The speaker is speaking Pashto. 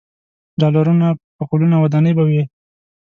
ډالرونه، پکولونه او ودانۍ به وي.